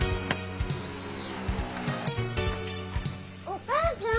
お母さん！